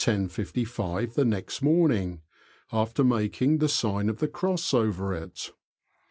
55 ^^^ next morning, after making the sign of the Cross over it.